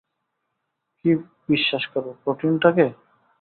কী বিশ্বাস করব, প্রোটিনটাকে?